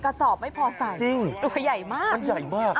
กระสอบไม่พอใส่จริงตัวใหญ่มากมันใหญ่มาก